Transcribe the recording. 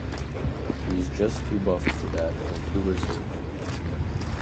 He's just too buffed for that, and too reserved.